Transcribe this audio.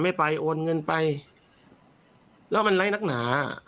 ไม่ไปโอนเงินไปแล้วมันไร้นักหนา